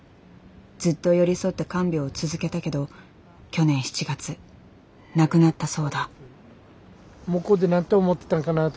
ずっと寄り添って看病を続けたけど去年７月亡くなったそうだ。